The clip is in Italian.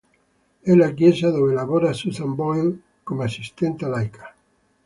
È la chiesa dove lavora Susan Boyle come assistente laica.